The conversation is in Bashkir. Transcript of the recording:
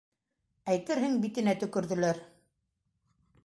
Әйтерһең, битенә төкөрҙөләр.